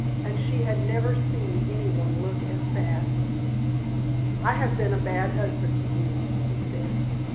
And she had never seen any one look as sad. "I have been a bad husband to you," he said.